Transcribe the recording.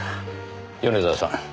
米沢さん